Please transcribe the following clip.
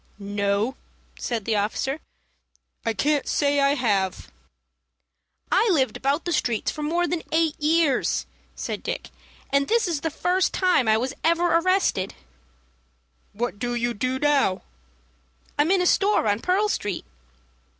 "No," said the officer, "I can't say I have." "I lived about the streets for more then eight years," said Dick, "and this is the first time I was ever arrested." "What do you do now?" "I'm in a store on Pearl Street."